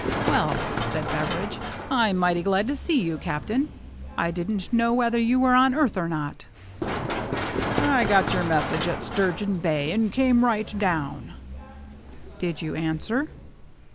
" Well," said Beveridge, " Fm mighty glad to see you. Captain. I didn't know whether you were on earth or not." " I got your message at Sturgeon Bay, and came right down." " Did you answer